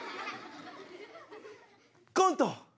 コント